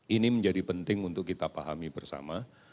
ini menjadi penting untuk kita pahami bersama